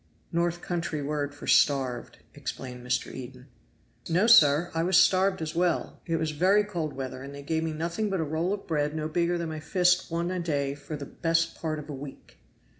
"North country word for starved," explained Mr. Eden. "No, sir, I was starved as well. It was very cold weather, and they gave me nothing but a roll of bread no bigger than my fist once a day for the best part of a week.